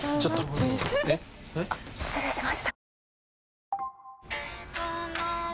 あっ失礼しました。